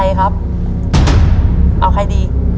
ใครครับเอาใครดี